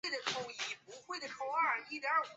越看越起劲